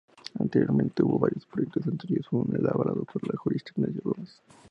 Anteriormente hubo varios proyectos, entre ellos uno elaborado por el jurista Ignacio Gómez.